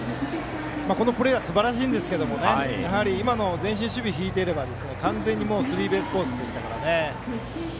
このプレーはすばらしいんですけどやはり今のは前進守備を敷いていれば完全にスリーベースコースでしたからね。